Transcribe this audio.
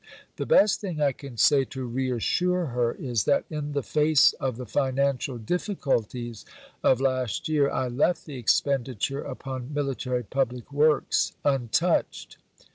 The best thing I can say to reassure her is that in the face of the financial difficulties of last year I left the expenditure upon military public works untouched.